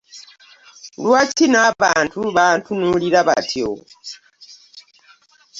Lwaki n'abantu bantunuulira batyo?